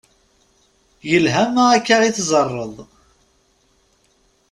Yelha ma akka i teẓẓareḍ.